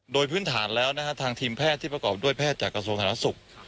โดยพื้นฐานแล้วนะฮะทางทีมแพทย์ที่ประกอบด้วยแพทย์จากกระทรวงสาธารณสุข